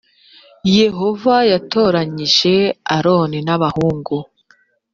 yehova yatoranyije aroni n abahungu